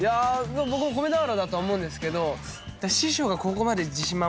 僕も米俵だとは思うんですけど。